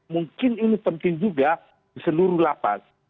mungkin ini penting juga di seluruh lapas